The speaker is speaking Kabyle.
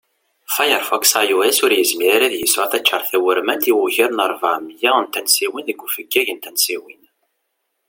Firefox iOS ur yizmir ara ad yesεu taččart tawurmant i ugar n rbeɛ miyya n tansiwin deg ufeggag n tansiwin